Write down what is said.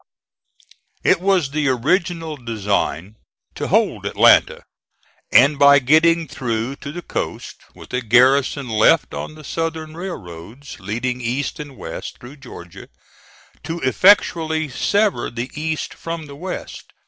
It was the original design to hold Atlanta, and by getting through to the coast, with a garrison left on the southern railroads, leading east and west, through Georgia, to effectually sever the east from the west.